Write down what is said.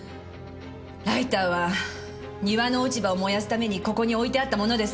ライターは庭の落ち葉を燃やすためにここに置いてあったものです！